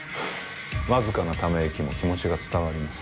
わずかなため息も気持ちが伝わります